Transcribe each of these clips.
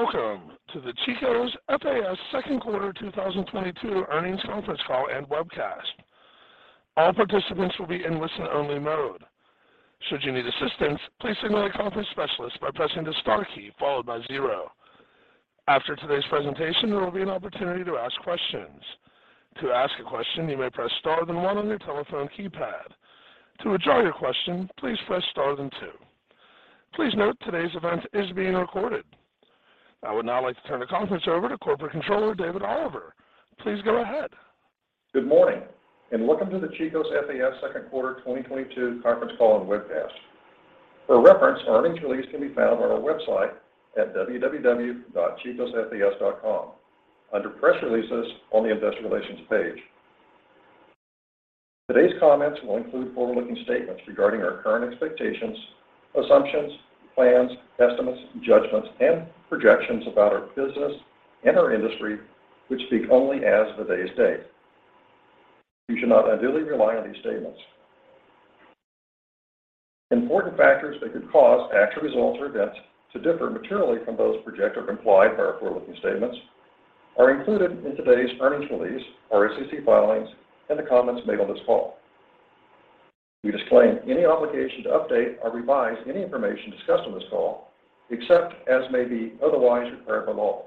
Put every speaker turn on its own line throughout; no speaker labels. Welcome to the Chico's FAS second quarter 2022 earnings conference call and webcast. All participants will be in listen-only mode. Should you need assistance, please signal a conference specialist by pressing the star key followed by zero. After today's presentation, there will be an opportunity to ask questions. To ask a question, you may press star then one on your telephone keypad. To withdraw your question, please press star then two. Please note today's event is being recorded. I would now like to turn the conference over to Corporate Controller, David Oliver. Please go ahead.
Good morning, and welcome to the Chico's FAS second quarter 2022 conference call and webcast. For reference, earnings release can be found on our website at www.chicosfas.com under Press Releases on the Investor Relations page. Today's comments will include forward-looking statements regarding our current expectations, assumptions, plans, estimates, judgments, and projections about our business and our industry, which speak only as of today's date. You should not unduly rely on these statements. Important factors that could cause actual results or events to differ materially from those projected or implied by our forward-looking statements are included in today's earnings release, our SEC filings, and the comments made on this call. We disclaim any obligation to update or revise any information discussed on this call, except as may be otherwise required by law.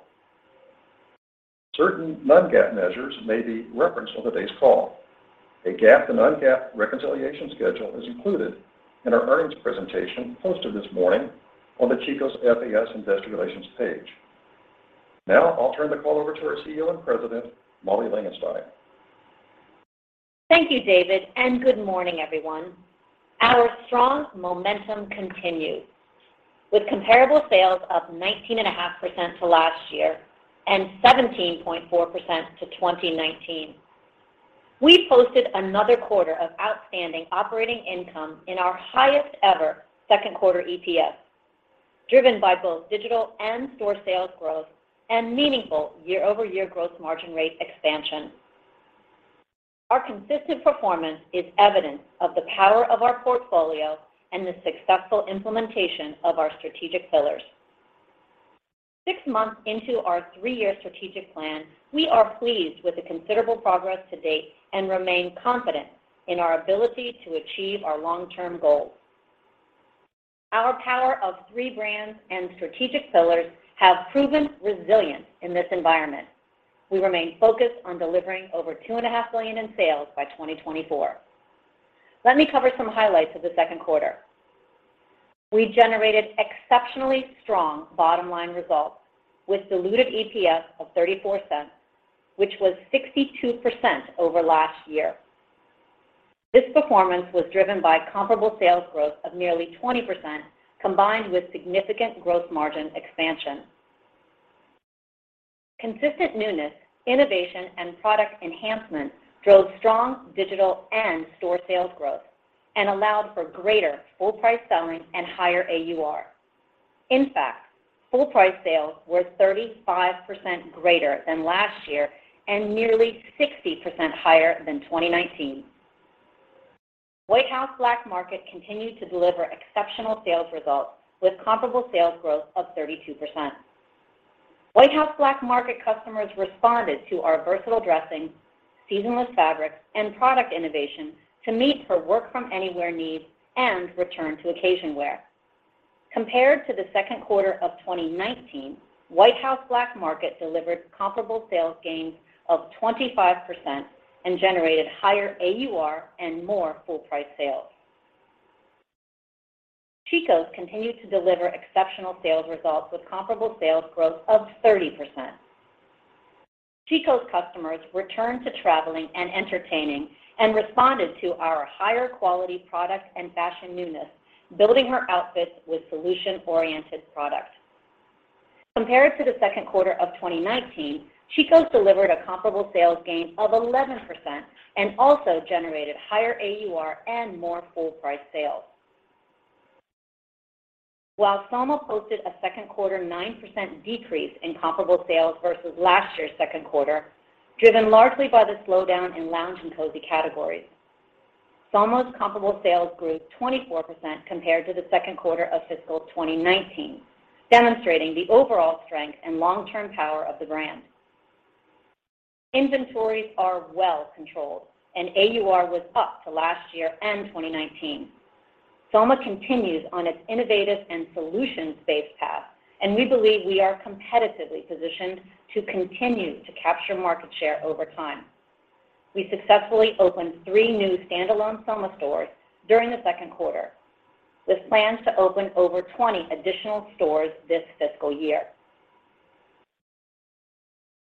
Certain non-GAAP measures may be referenced on today's call. A GAAP and non-GAAP reconciliation schedule is included in our earnings presentation posted this morning on the Chico's FAS Investor Relations page. Now, I'll turn the call over to our CEO and President, Molly Langenstein.
Thank you, David, and good morning, everyone. Our strong momentum continues with comparable sales up 19.5% to last year and 17.4% to 2019. We posted another quarter of outstanding operating income in our highest-ever second quarter EPS, driven by both digital and store sales growth and meaningful year-over-year growth margin rate expansion. Our consistent performance is evidence of the power of our portfolio and the successful implementation of our strategic pillars. Six months into our three-year strategic plan, we are pleased with the considerable progress to date and remain confident in our ability to achieve our long-term goals. Our power of three brands and strategic pillars have proven resilient in this environment. We remain focused on delivering over $2.5 billion in sales by 2024. Let me cover some highlights of the second quarter. We generated exceptionally strong bottom-line results with diluted EPS of $0.34, which was 62% over last year. This performance was driven by comparable sales growth of nearly 20% combined with significant gross margin expansion. Consistent newness, innovation, and product enhancements drove strong digital and store sales growth and allowed for greater full price selling and higher AUR. In fact, full price sales were 35% greater than last year and nearly 60% higher than 2019. White House Black Market continued to deliver exceptional sales results with comparable sales growth of 32%. White House Black Market customers responded to our versatile dressings, seasonless fabrics, and product innovation to meet her work from anywhere needs and return to occasion wear. Compared to the second quarter of 2019, White House Black Market delivered comparable sales gains of 25% and generated higher AUR and more full price sales. Chico's continued to deliver exceptional sales results with comparable sales growth of 30%. Chico's customers returned to traveling and entertaining and responded to our higher quality product and fashion newness, building her outfits with solution-oriented product. Compared to the second quarter of 2019, Chico's delivered a comparable sales gain of 11% and also generated higher AUR and more full price sales. While Soma posted a second quarter 9% decrease in comparable sales versus last year's second quarter, driven largely by the slowdown in lounge and cozy categories, Soma's comparable sales grew 24% compared to the second quarter of fiscal 2019, demonstrating the overall strength and long-term power of the brand. Inventories are well controlled and AUR was up to last year and 2019. Soma continues on its innovative and solutions-based path, and we believe we are competitively positioned to continue to capture market share over time. We successfully opened three new standalone Soma stores during the second quarter with plans to open over 20 additional stores this fiscal year.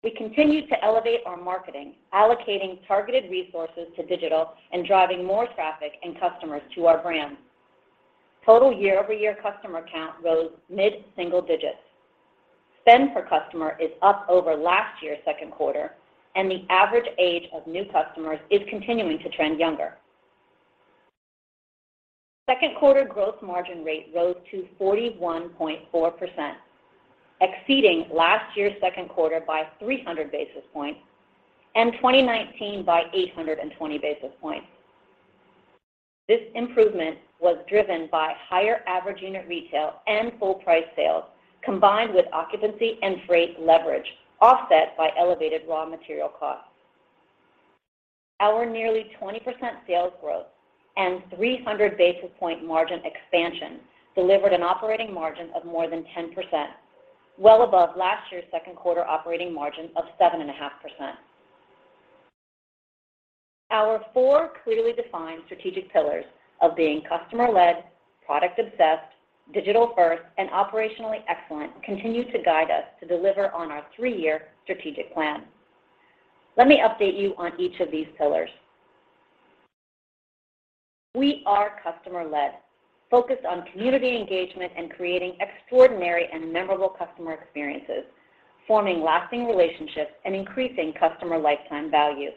We continue to elevate our marketing, allocating targeted resources to digital and driving more traffic and customers to our brands. Total year-over-year customer count rose mid-single digits. Spend per customer is up over last year's second quarter, and the average age of new customers is continuing to trend younger. Second quarter gross margin rate rose to 41.4%, exceeding last year's second quarter by 300 basis points and 2019 by 820 basis points. This improvement was driven by higher average unit retail and full price sales, combined with occupancy and freight leverage, offset by elevated raw material costs. Our nearly 20% sales growth and 300 basis point margin expansion delivered an operating margin of more than 10%, well above last year's second quarter operating margin of 7.5%. Our four clearly defined strategic pillars of being customer led, product obsessed, digital first, and operationally excellent continue to guide us to deliver on our three-year strategic plan. Let me update you on each of these pillars. We are customer led, focused on community engagement and creating extraordinary and memorable customer experiences, forming lasting relationships and increasing customer lifetime value.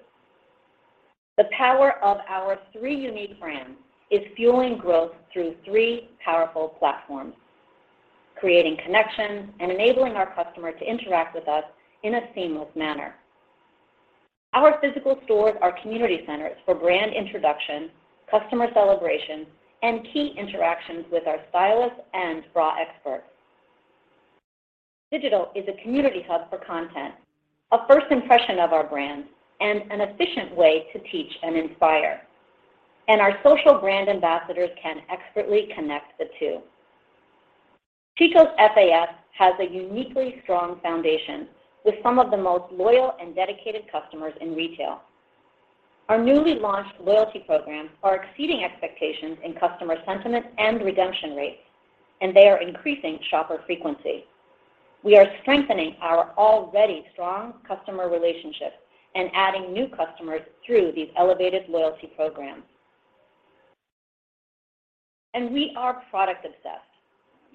The power of our three unique brands is fueling growth through three powerful platforms, creating connections and enabling our customer to interact with us in a seamless manner. Our physical stores are community centers for brand introduction, customer celebration, and key interactions with our stylists and bra experts. Digital is a community hub for content, a first impression of our brands, and an efficient way to teach and inspire. Our social brand ambassadors can expertly connect the two. Chico's FAS has a uniquely strong foundation with some of the most loyal and dedicated customers in retail. Our newly launched loyalty programs are exceeding expectations in customer sentiment and redemption rates, and they are increasing shopper frequency. We are strengthening our already strong customer relationships and adding new customers through these elevated loyalty programs. We are product obsessed,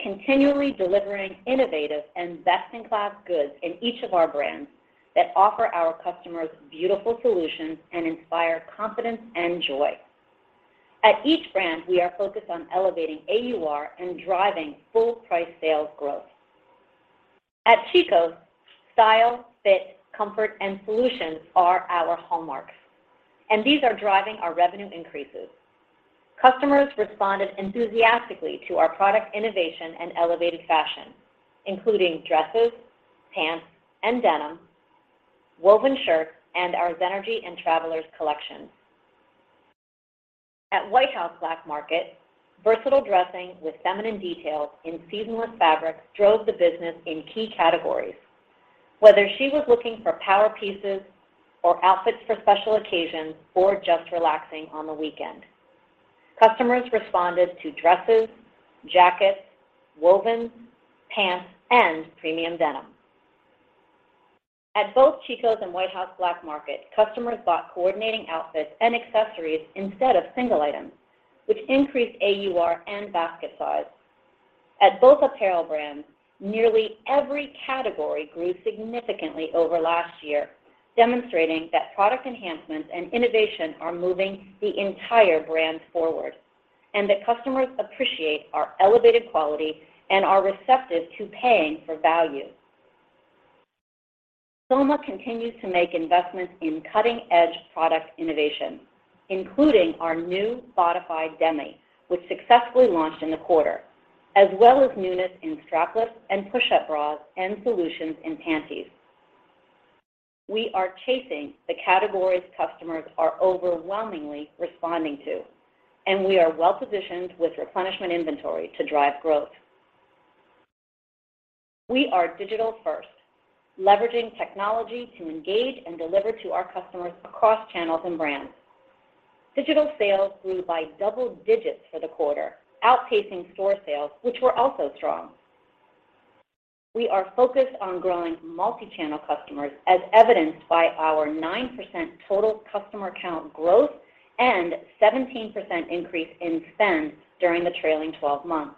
continually delivering innovative and best-in-class goods in each of our brands that offer our customers beautiful solutions and inspire confidence and joy. At each brand, we are focused on elevating AUR and driving full price sales growth. At Chico's, style, fit, comfort, and solutions are our hallmarks, and these are driving our revenue increases. Customers responded enthusiastically to our product innovation and elevated fashion, including dresses, pants and denim, woven shirts, and our Zenergy and Travelers collections. At White House Black Market, versatile dressing with feminine details in seasonless fabrics drove the business in key categories. Whether she was looking for power pieces or outfits for special occasions or just relaxing on the weekend, customers responded to dresses, jackets, woven, pants, and premium denim. At both Chico's and White House Black Market, customers bought coordinating outfits and accessories instead of single items, which increased AUR and basket size. At both apparel brands, nearly every category grew significantly over last year, demonstrating that product enhancements and innovation are moving the entire brand forward and that customers appreciate our elevated quality and are receptive to paying for value. Soma continues to make investments in cutting-edge product innovation, including our new Bodify Demi, which successfully launched in the quarter, as well as newness in strapless and push-up bras and solutions in panties. We are chasing the categories customers are overwhelmingly responding to, and we are well-positioned with replenishment inventory to drive growth. We are digital first, leveraging technology to engage and deliver to our customers across channels and brands. Digital sales grew by double digits for the quarter, outpacing store sales, which were also strong. We are focused on growing multi-channel customers as evidenced by our 9% total customer count growth and 17% increase in spend during the trailing 12 months.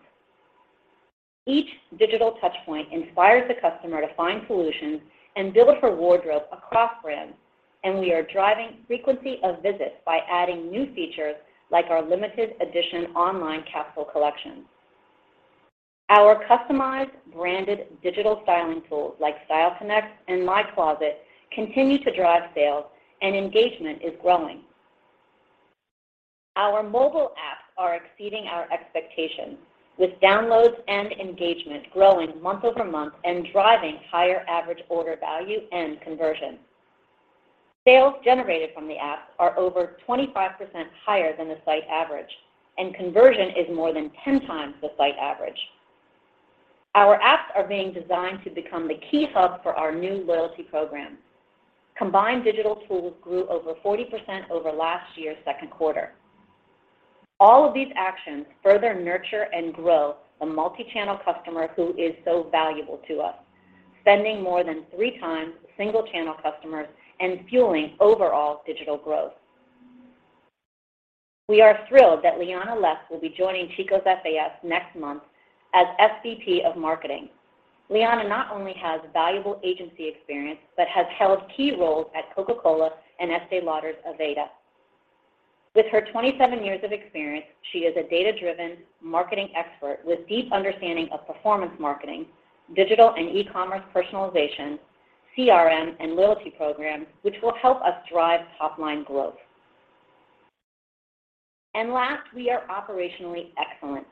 Each digital touch point inspires the customer to find solutions and build her wardrobe across brands, and we are driving frequency of visits by adding new features like our limited edition online capsule collection. Our customized branded digital styling tools like Style Connect and My Closet continue to drive sales, and engagement is growing. Our mobile apps are exceeding our expectations with downloads and engagement growing month-over-month and driving higher average order value and conversion. Sales generated from the apps are over 25% higher than the site average, and conversion is more than 10x the site average. Our apps are being designed to become the key hub for our new loyalty program. Combined digital tools grew over 40% over last year's second quarter. All of these actions further nurture and grow a multi-channel customer who is so valuable to us, spending more than 3x single channel customers and fueling overall digital growth. We are thrilled that Leana Less will be joining Chico's FAS next month as SVP of Marketing. Leana not only has valuable agency experience but has held key roles at Coca-Cola and Estée Lauder’s Aveda. With her 27 years of experience, she is a data-driven marketing expert with deep understanding of performance marketing, digital and e-commerce personalization, CRM and loyalty programs, which will help us drive top line growth. Last, we are operationally excellent,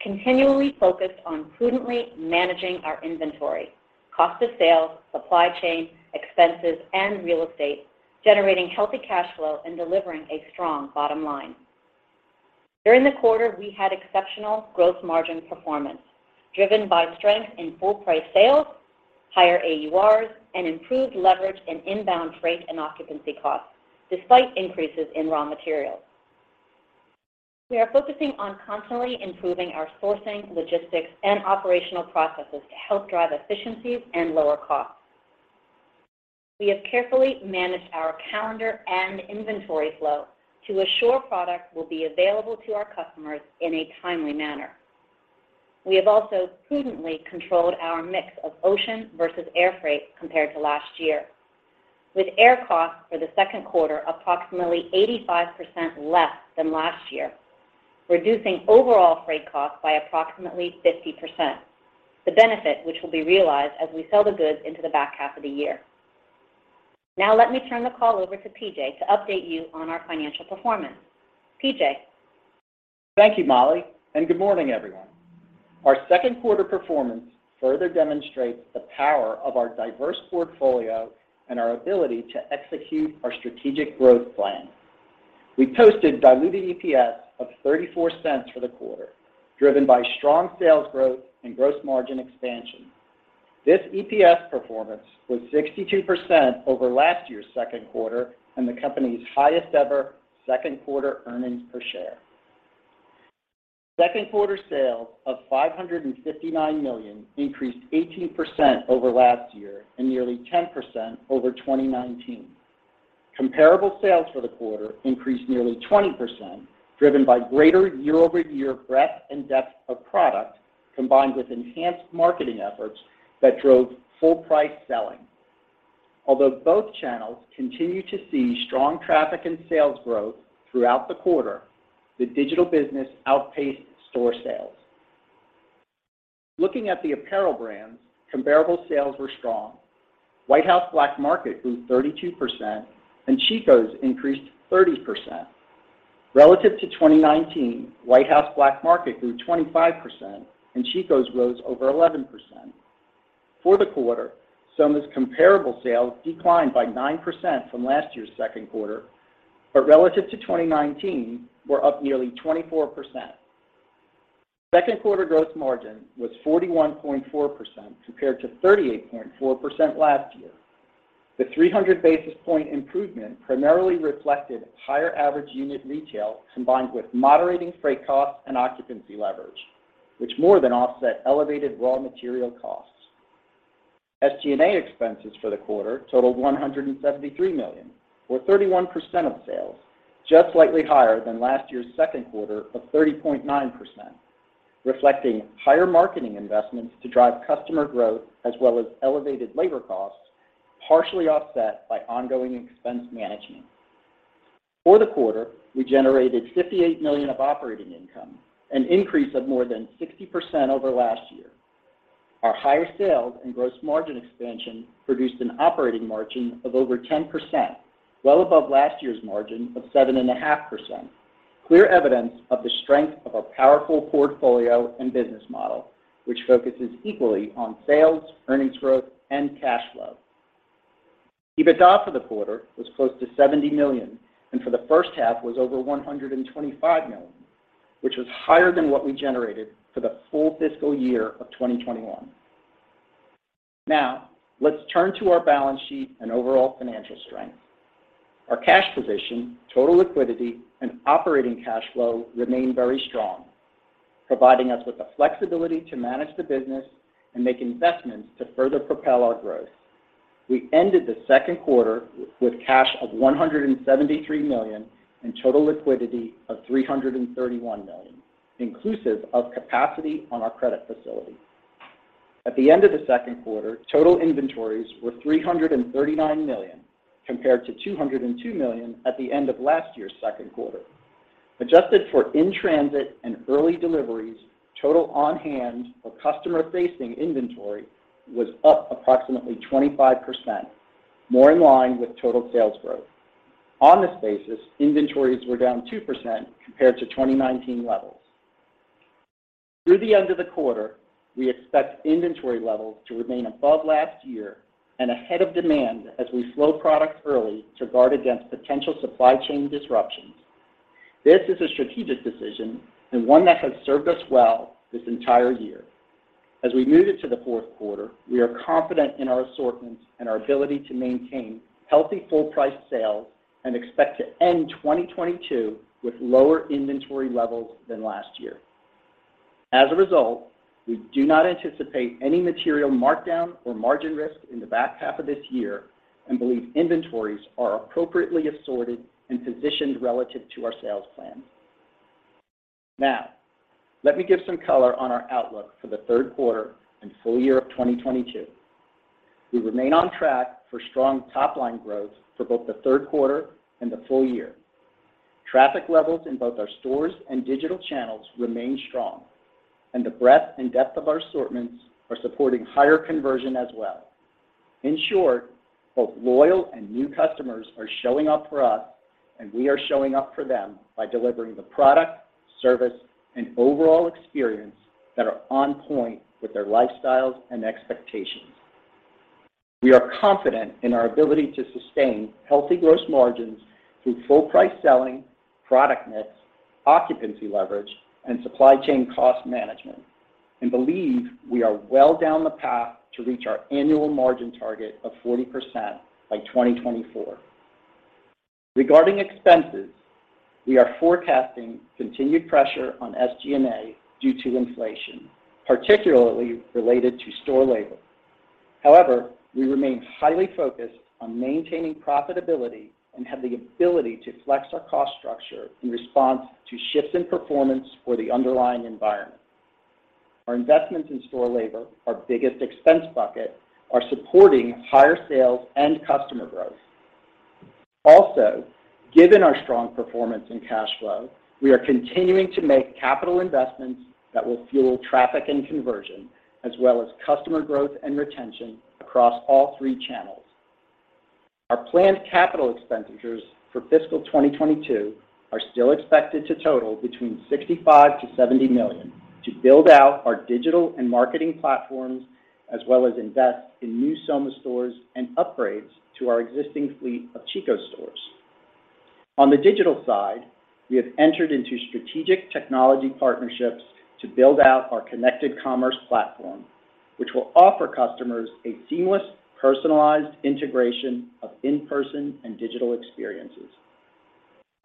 continually focused on prudently managing our inventory, cost of sales, supply chain, expenses, and real estate, generating healthy cash flow and delivering a strong bottom line. During the quarter, we had exceptional growth margin performance driven by strength in full price sales, higher AURs and improved leverage in inbound freight and occupancy costs despite increases in raw materials. We are focusing on constantly improving our sourcing, logistics and operational processes to help drive efficiencies and lower costs. We have carefully managed our calendar and inventory flow to assure product will be available to our customers in a timely manner. We have also prudently controlled our mix of ocean versus air freight compared to last year, with air costs for the second quarter approximately 85% less than last year, reducing overall freight costs by approximately 50%. The benefit which will be realized as we sell the goods into the back half of the year. Now let me turn the call over to PJ to update you on our financial performance. PJ.
Thank you, Molly, and good morning, everyone. Our second quarter performance further demonstrates the power of our diverse portfolio and our ability to execute our strategic growth plan. We posted diluted EPS of $0.34 for the quarter, driven by strong sales growth and gross margin expansion. This EPS performance was 62% over last year's second quarter and the company's highest ever second quarter earnings per share. Second quarter sales of $559 million increased 18% over last year and nearly 10% over 2019. Comparable sales for the quarter increased nearly 20%, driven by greater year-over-year breadth and depth of product, combined with enhanced marketing efforts that drove full price selling. Although both channels continue to see strong traffic and sales growth throughout the quarter, the digital business outpaced store sales. Looking at the apparel brands, comparable sales were strong. White House Black Market grew 32%, and Chico's increased 30%. Relative to 2019, White House Black Market grew 25%, and Chico's rose over 11%. For the quarter, Soma's comparable sales declined by 9% from last year's second quarter, but relative to 2019 were up nearly 24%. Second quarter gross margin was 41.4% compared to 38.4% last year. The 300 basis point improvement primarily reflected higher average unit retail combined with moderating freight costs and occupancy leverage, which more than offset elevated raw material costs. SG&A expenses for the quarter totaled $173 million, or 31% of sales, just slightly higher than last year's second quarter of 30.9%, reflecting higher marketing investments to drive customer growth as well as elevated labor costs, partially offset by ongoing expense management. For the quarter, we generated $58 million of operating income, an increase of more than 60% over last year. Our higher sales and gross margin expansion produced an operating margin of over 10%, well above last year's margin of 7.5%. Clear evidence of the strength of our powerful portfolio and business model, which focuses equally on sales, earnings growth and cash flow. EBITDA for the quarter was close to $70 million, and for the first half was over $125 million, which was higher than what we generated for the full fiscal year of 2021. Now let's turn to our balance sheet and overall financial strength. Our cash position, total liquidity and operating cash flow remain very strong, providing us with the flexibility to manage the business and make investments to further propel our growth. We ended the second quarter with cash of $173 million and total liquidity of $331 million, inclusive of capacity on our credit facility. At the end of the second quarter, total inventories were $339 million, compared to $202 million at the end of last year's second quarter. Adjusted for in-transit and early deliveries, total on-hand or customer-facing inventory was up approximately 25% more in line with total sales growth. On this basis, inventories were down 2% compared to 2019 levels. Through the end of the quarter, we expect inventory levels to remain above last year and ahead of demand as we slow products early to guard against potential supply chain disruptions. This is a strategic decision and one that has served us well this entire year. As we move into the fourth quarter, we are confident in our assortments and our ability to maintain healthy full price sales and expect to end 2022 with lower inventory levels than last year. As a result, we do not anticipate any material markdown or margin risk in the back half of this year and believe inventories are appropriately assorted and positioned relative to our sales plans. Now, let me give some color on our outlook for the third quarter and full year of 2022. We remain on track for strong top line growth for both the third quarter and the full year. Traffic levels in both our stores and digital channels remain strong, and the breadth and depth of our assortments are supporting higher conversion as well. In short, both loyal and new customers are showing up for us, and we are showing up for them by delivering the product, service, and overall experience that are on point with their lifestyles and expectations. We are confident in our ability to sustain healthy gross margins through full price selling, product mix, occupancy leverage, and supply chain cost management, and believe we are well down the path to reach our annual margin target of 40% by 2024. Regarding expenses, we are forecasting continued pressure on SG&A due to inflation, particularly related to store labor. However, we remain highly focused on maintaining profitability and have the ability to flex our cost structure in response to shifts in performance or the underlying environment. Our investments in store labor, our biggest expense bucket, are supporting higher sales and customer growth. Also, given our strong performance in cash flow, we are continuing to make capital investments that will fuel traffic and conversion, as well as customer growth and retention across all three channels. Our planned capital expenditures for fiscal 2022 are still expected to total between $65 million-$70 million to build out our digital and marketing platforms, as well as invest in new Soma stores and upgrades to our existing fleet of Chico's stores. On the digital side, we have entered into strategic technology partnerships to build out our connected commerce platform, which will offer customers a seamless, personalized integration of in-person and digital experiences.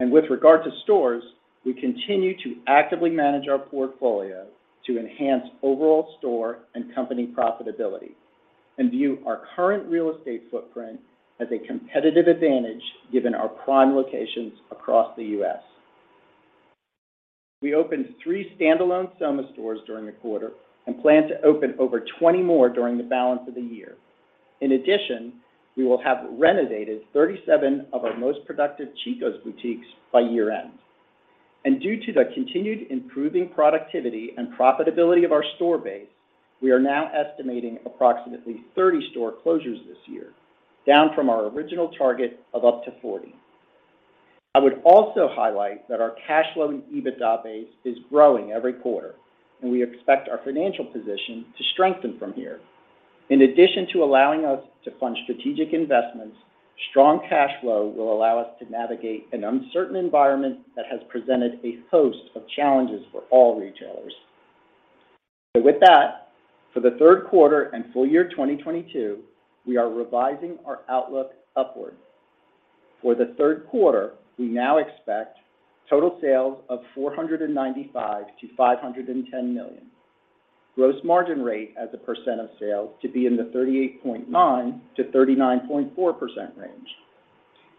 With regard to stores, we continue to actively manage our portfolio to enhance overall store and company profitability and view our current real estate footprint as a competitive advantage given our prime locations across the U.S. We opened three standalone Soma stores during the quarter and plan to open over 20 more during the balance of the year. In addition, we will have renovated 37 of our most productive Chico's boutiques by year-end. Due to the continued improving productivity and profitability of our store base, we are now estimating approximately 30 store closures this year, down from our original target of up to 40. I would also highlight that our cash flow and EBITDA base is growing every quarter, and we expect our financial position to strengthen from here. In addition to allowing us to fund strategic investments, strong cash flow will allow us to navigate an uncertain environment that has presented a host of challenges for all retailers. With that, for the third quarter and full year 2022, we are revising our outlook upward. For the third quarter, we now expect total sales of $495 million-$510 million, gross margin rate as a percent of sales to be in the 38.9%-39.4% range,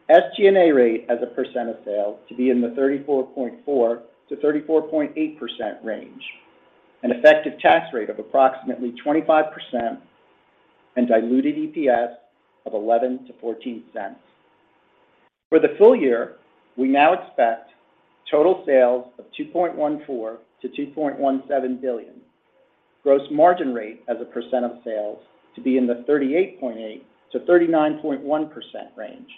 SG&A rate as a percent of sales to be in the 34.4%-34.8% range, an effective tax rate of approximately 25%, and diluted EPS of $0.11-$0.14. For the full year, we now expect total sales of $2.14-$2.17 billion, gross margin rate as a percent of sales to be in the 38.8%-39.1% range,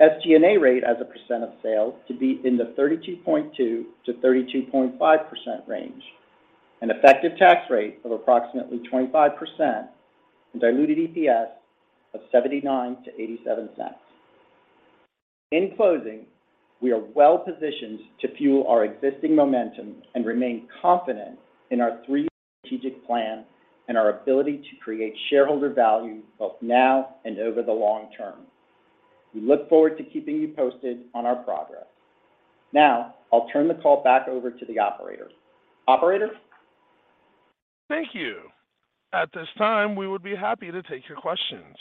SG&A rate as a percent of sales to be in the 32.2%-32.5% range, an effective tax rate of approximately 25%, and diluted EPS of $0.79-$0.87. In closing, we are well positioned to fuel our existing momentum and remain confident in our three-year strategic plan and our ability to create shareholder value both now and over the long term. We look forward to keeping you posted on our progress. Now, I'll turn the call back over to the operator. Operator?
Thank you. At this time, we would be happy to take your questions.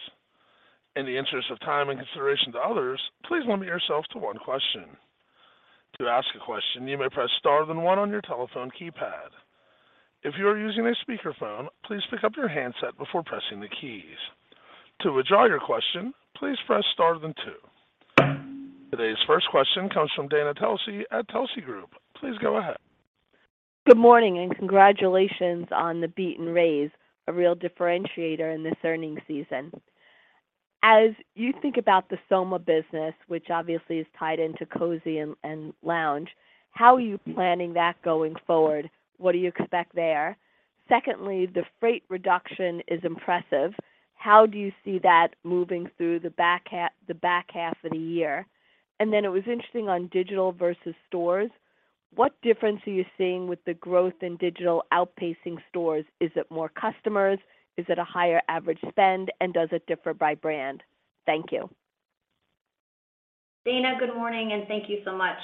In the interest of time and consideration to others, please limit yourself to one question. To ask a question, you may press star then one on your telephone keypad. If you are using a speakerphone, please pick up your handset before pressing the keys. To withdraw your question, please press star then two. Today's first question comes from Dana Telsey at Telsey Advisory Group. Please go ahead.
Good morning, and congratulations on the beat and raise, a real differentiator in this earnings season. As you think about the Soma business, which obviously is tied into cozy and lounge, how are you planning that going forward? What do you expect there? Secondly, the freight reduction is impressive. How do you see that moving through the back half of the year? It was interesting on digital versus stores. What difference are you seeing with the growth in digital outpacing stores? Is it more customers? Is it a higher average spend? Does it differ by brand? Thank you.
Dana, good morning, and thank you so much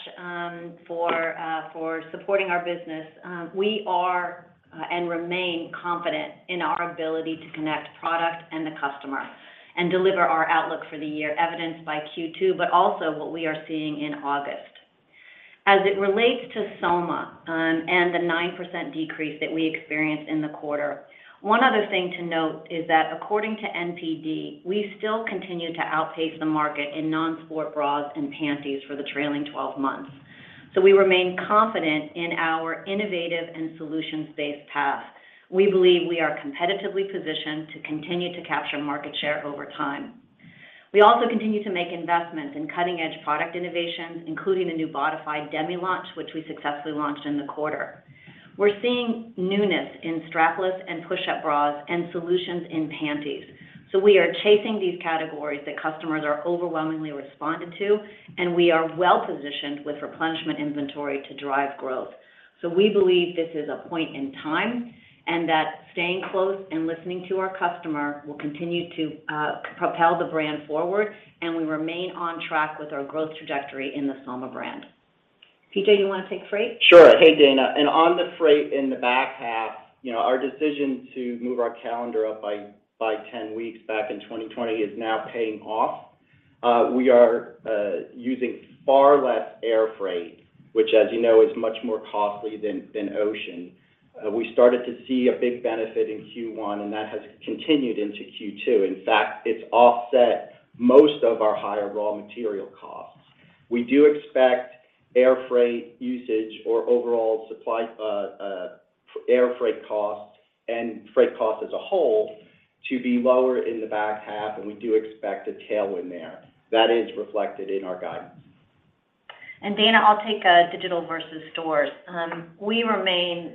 for supporting our business. We are and remain confident in our ability to connect product and the customer and deliver our outlook for the year, evidenced by Q2, but also what we are seeing in August.
As it relates to Soma, and the 9% decrease that we experienced in the quarter, one other thing to note is that according to NPD, we still continue to outpace the market in non-sport bras and panties for the trailing twelve months. We remain confident in our innovative and solutions-based path. We believe we are competitively positioned to continue to capture market share over time. We also continue to make investments in cutting-edge product innovations, including a new Bodify demi launch, which we successfully launched in the quarter. We're seeing newness in strapless and push-up bras and solutions in panties. We are chasing these categories that customers are overwhelmingly responding to, and we are well-positioned with replenishment inventory to drive growth. We believe this is a point in time and that staying close and listening to our customer will continue to propel the brand forward, and we remain on track with our growth trajectory in the Soma brand. PJ, you wanna take freight?
Sure. Hey, Dana. On the freight in the back half, you know, our decision to move our calendar up by 10 weeks back in 2020 is now paying off. We are using far less air freight, which as you know is much more costly than ocean. We started to see a big benefit in Q1, and that has continued into Q2. In fact, it's offset most of our higher raw material costs. We do expect air freight costs and freight costs as a whole to be lower in the back half, and we do expect a tailwind there. That is reflected in our guidance.
Dana, I'll take digital versus stores. We remain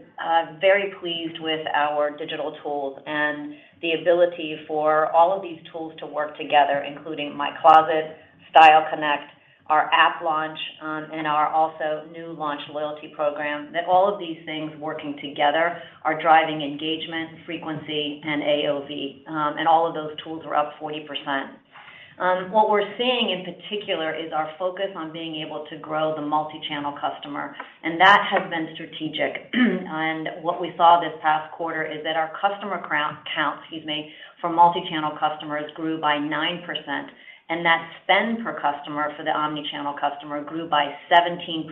very pleased with our digital tools and the ability for all of these tools to work together, including My Closet, Style Connect, our app launch, and our also new launch loyalty program. That all of these things working together are driving engagement, frequency, and AOV. All of those tools are up 40%. What we're seeing in particular is our focus on being able to grow the multi-channel customer, and that has been strategic. What we saw this past quarter is that our customer counts for multi-channel customers grew by 9%, and that spend per customer for the omni-channel customer grew by 17%.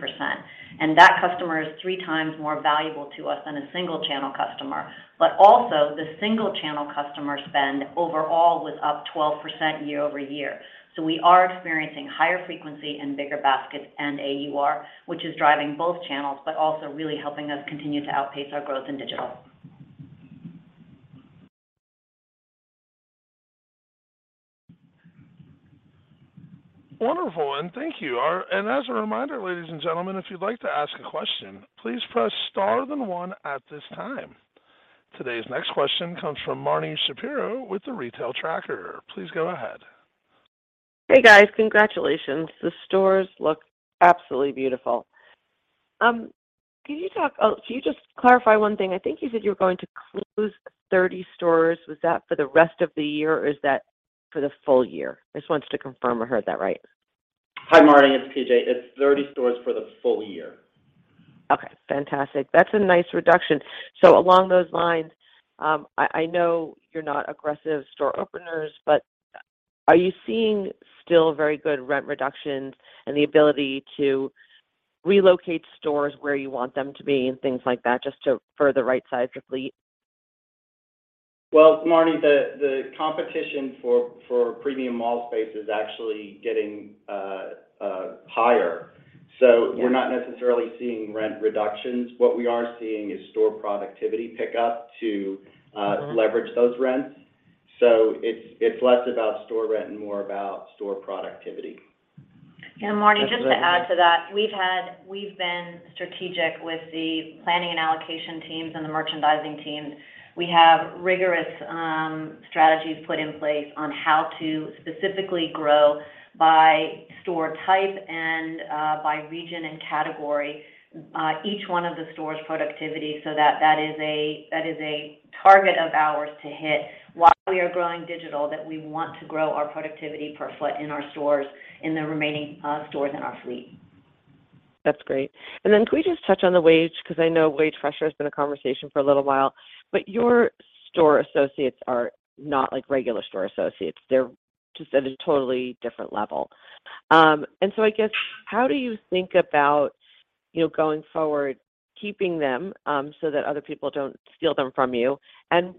That customer is 3x more valuable to us than a single channel customer. Also, the single channel customer spend overall was up 12% year-over-year. We are experiencing higher frequency and bigger baskets and AUR, which is driving both channels, but also really helping us continue to outpace our growth in digital.
Wonderful, thank you. As a reminder, ladies and gentlemen, if you'd like to ask a question, please press star then one at this time. Today's next question comes from Marni Shapiro with The Retail Tracker. Please go ahead.
Hey, guys. Congratulations. The stores look absolutely beautiful. Can you just clarify one thing? I think you said you were going to close 30 stores. Was that for the rest of the year, or is that for the full year? I just wanted to confirm I heard that right.
Hi, Marni. It's PJ. It's 30 stores for the full year.
Okay, fantastic. That's a nice reduction. Along those lines, I know you're not aggressive store openers, but are you seeing still very good rent reductions and the ability to relocate stores where you want them to be and things like that just to further right size your fleet?
Well, Marni, the competition for premium mall space is actually getting higher. We're not necessarily seeing rent reductions. What we are seeing is store productivity pick up to leverage those rents. It's less about store rent and more about store productivity.
Marni, just to add to that, we've been strategic with the planning and allocation teams and the merchandising teams. We have rigorous strategies put in place on how to specifically grow by store type and by region and category each one of the store's productivity so that is a target of ours to hit while we are growing digital, that we want to grow our productivity per foot in our stores in the remaining stores in our fleet.
That's great. Can we just touch on the wage? Because I know wage pressure has been a conversation for a little while, but your store associates are not like regular store associates. They're just at a totally different level. I guess, how do you think about, you know, going forward, keeping them, so that other people don't steal them from you?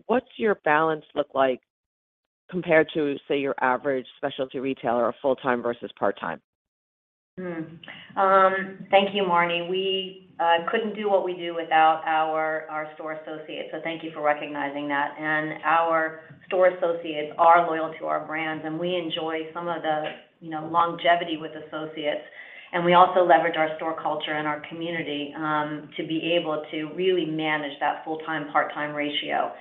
What's your balance look like compared to, say, your average specialty retailer of full-time versus part-time?
Thank you, Marni. We couldn't do what we do without our store associates, so thank you for recognizing that. Our store associates are loyal to our brands, and we enjoy some of the, you know, longevity with associates. We also leverage our store culture and our community to be able to really manage that full-time/part-time ratio.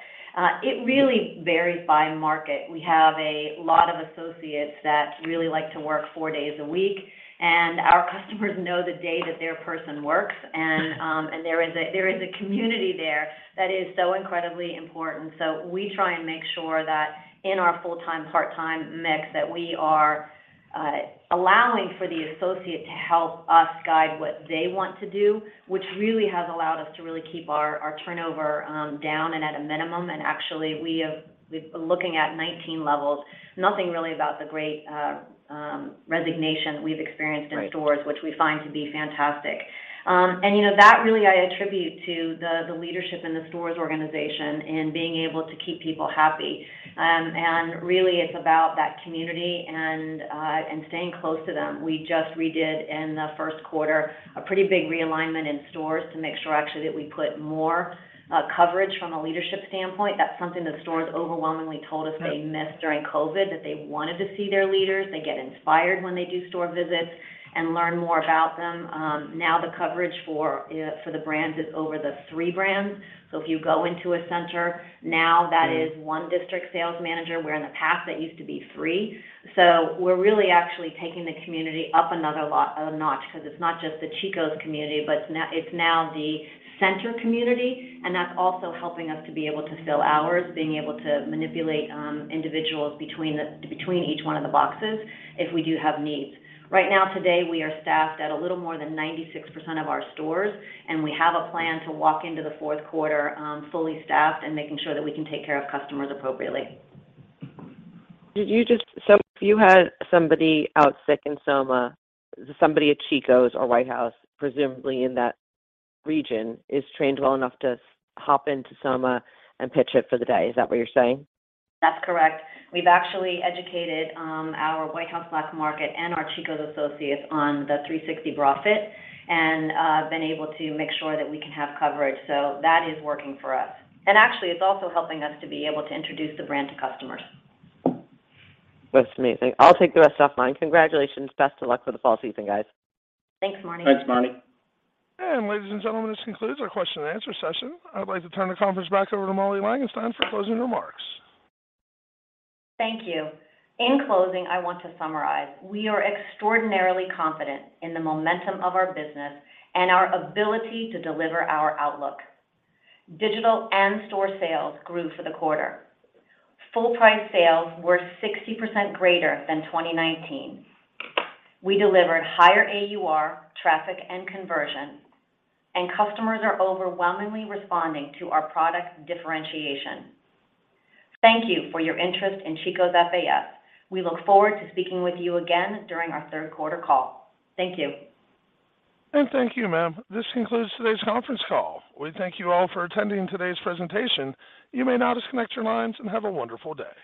It really varies by market. We have a lot of associates that really like to work four days a week, and our customers know the day that their person works, and there is a community there that is so incredibly important. We try and make sure that in our full-time, part-time mix, that we are allowing for the associate to help us guide what they want to do, which really has allowed us to really keep our turnover down and at a minimum and actually we have. We've been looking at 19 levels. Nothing really about the Great Resignation we've experienced in stores.
Right...
which we find to be fantastic. You know, that really I attribute to the leadership in the stores organization and being able to keep people happy. Really it's about that community and staying close to them. We just redid in the first quarter a pretty big realignment in stores to make sure actually that we put more coverage from a leadership standpoint. That's something that stores overwhelmingly told us they missed during COVID, that they wanted to see their leaders. They get inspired when they do store visits and learn more about them. Now the coverage for the brands is over the three brands. So if you go into a center now, that is one district sales manager, where in the past that used to be three. We're really actually taking the community up another a notch because it's not just the Chico's community, but it's now the entire community, and that's also helping us to be able to fill hours, being able to manipulate individuals between each one of the boxes if we do have needs. Right now today, we are staffed at a little more than 96% of our stores, and we have a plan to walk into the fourth quarter fully staffed and making sure that we can take care of customers appropriately.
If you had somebody out sick in Soma, somebody at Chico's or White House Black Market, presumably in that region, is trained well enough to hop into Soma and pitch it for the day. Is that what you're saying?
That's correct. We've actually educated our White House Black Market and our Chico's associates on the 360 bra fit and been able to make sure that we can have coverage. That is working for us. Actually, it's also helping us to be able to introduce the brand to customers.
That's amazing. I'll take the rest offline. Congratulations. Best of luck for the fall season, guys.
Thanks, Marni.
Thanks, Marni.
Ladies and gentlemen, this concludes our question and answer session. I'd like to turn the conference back over to Molly Langenstein for closing remarks.
Thank you. In closing, I want to summarize, we are extraordinarily confident in the momentum of our business and our ability to deliver our outlook. Digital and store sales grew for the quarter. Full price sales were 60% greater than 2019. We delivered higher AUR, traffic, and conversion, and customers are overwhelmingly responding to our product differentiation. Thank you for your interest in Chico's FAS. We look forward to speaking with you again during our third quarter call. Thank you.
Thank you, ma'am. This concludes today's conference call. We thank you all for attending today's presentation. You may now disconnect your lines and have a wonderful day.